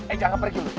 eh jangan pergi lo